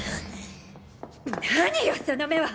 何よその目は。